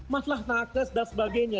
masalah nakes dan sebagainya